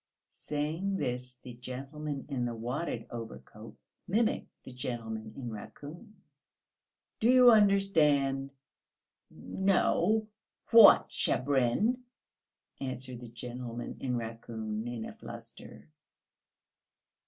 (Saying this, the gentleman in the wadded overcoat mimicked the gentleman in raccoon.) "Do you understand?" "No, what Shabrin?" answered the gentleman in raccoon, in a fluster.